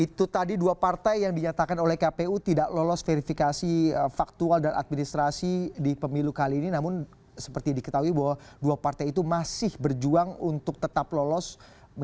itu tadi dua partai yang dinyatakan oleh kpu tidak lolos verifikasi faktual dan administrasi di pemilu kali ini namun seperti diketahui bahwa dua partai itu masih berjuang untuk tetap lolos